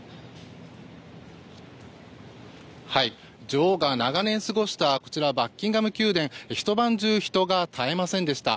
女王が長年過ごしたこちら、バッキンガム宮殿ひと晩中人が絶えませんでした。